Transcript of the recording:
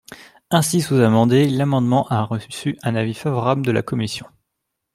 Ainsi sous-amendé, l’amendement a reçu un avis favorable de la commission.